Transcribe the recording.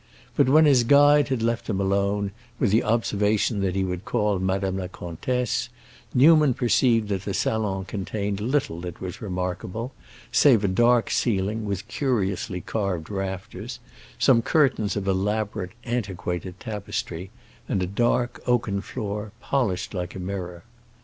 But when his guide had left him alone, with the observation that he would call Madame la Comtesse, Newman perceived that the salon contained little that was remarkable save a dark ceiling with curiously carved rafters, some curtains of elaborate, antiquated tapestry, and a dark oaken floor, polished like a mirror.